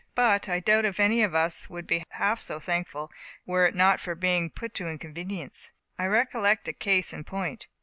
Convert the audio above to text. But I doubt if any of us would be half so thankful, were it not for being put to inconvenience. I recollect a case in point.